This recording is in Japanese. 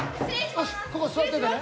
よしここ座っててね。